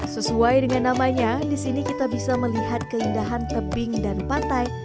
sesuai dengan namanya di sini kita bisa melihat keindahan tebing dan pantai